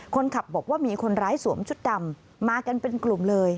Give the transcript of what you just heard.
คนขับบอกว่ามีคนร้ายสวมชุดดำมากันเป็นกลุ่มเลย